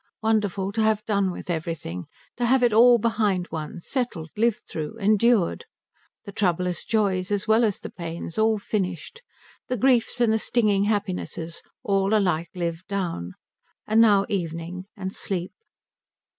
Wonderful to have done with everything, to have it all behind one, settled, lived through, endured. The troublous joys as well as the pains, all finished; the griefs and the stinging happinesses, all alike lived down; and now evening, and sleep.